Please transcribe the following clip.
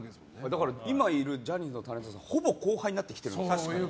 だから、今いるジャニーズのタレントさんもほぼ後輩になってきてる。